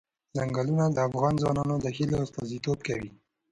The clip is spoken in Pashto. ځنګلونه د افغان ځوانانو د هیلو استازیتوب کوي.